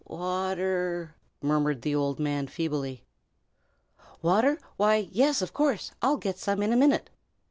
"Water!" murmured the old man, feebly. "Water? Why, yes, of course! I'll get some in a minute."